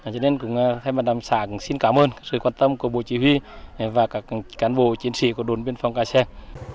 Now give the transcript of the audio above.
cho nên cũng thay mặt đàm sản xin cảm ơn sự quan tâm của bộ chỉ huy và các cán bộ chiến sĩ của đồn biên phòng cà seng